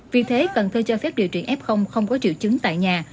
vì thế cần thơ cho phép điều trị f không có triệu chứng tại nhà